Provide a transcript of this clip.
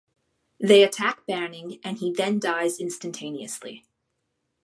They attack Banning and he then dies instantaneously.